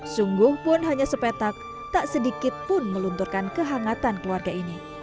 sungguh pun hanya sepetak tak sedikit pun melunturkan kehangatan keluarga ini